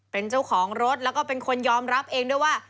เป็นเจ้าของรถแล้วก็เป็นคนยอมรับเองด้วยว่า